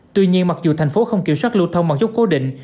tuy nhiên mặc dù thành phố không kiểm soát lưu thông bằng chốt cố định